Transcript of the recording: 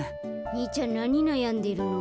にいちゃんなになやんでるの？